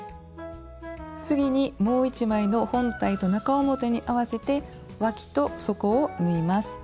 次にもう１枚の本体と中表に合わせてわきと底を縫います。